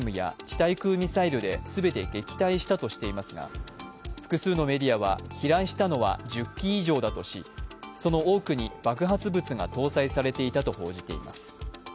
対空ミサイルで全て撃退したとしていますが複数のメディアは飛来したのは１０機以上だとしその多くに爆発物が搭載されていたと報じています。